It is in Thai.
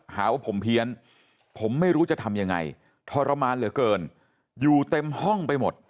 หาว่าผมเพี้ยนผมไม่รู้จะทำยังไงทรมานเหลือเกินอยู่เต็มห้องไปหมด